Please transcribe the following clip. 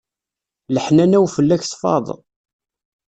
Leḥnana-w fell-ak tfaḍ.